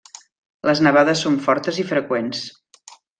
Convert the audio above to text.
Les nevades són fortes i freqüents.